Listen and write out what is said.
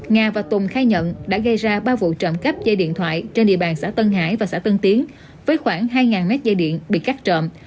nga và tùng khai nhận đã gây ra ba vụ trộm cắp dây điện thoại trên địa bàn xã tân hải và xã tân tiến với khoảng hai mét dây điện bị cắt trộm